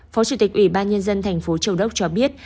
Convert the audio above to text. phó chủ tịch ủy ban nhân dân thành phố châu đốc cho biết